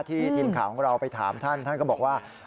ทีมข่าวของเราไปถามท่านท่านก็บอกว่า